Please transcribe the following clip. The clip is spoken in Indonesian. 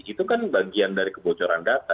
itu kan bagian dari kebocoran data